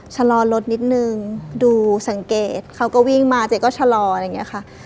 ชะลอรถนิดนึงดูสังเกตเขาก็วิ่งมาเจ๊ก็ชะลออะไรอย่างนี้ค่ะ